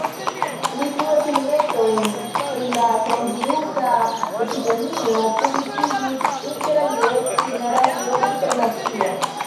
Pli frue filmetojn pri la kronvirusa epidemio publikigis interalie Ĉina Radio Internacia.